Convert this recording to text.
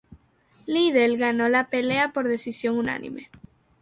Liddell ganó la pelea por decisión unánime.